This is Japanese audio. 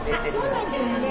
そうなんですね。